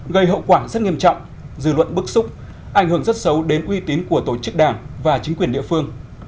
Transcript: gây hậu quả rất nghiêm trọng dư luận bức xúc ảnh hưởng rất xấu đến uy tín của tổ chức đảng và chính quyền địa phương